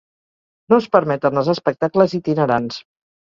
No es permeten els espectacles itinerants.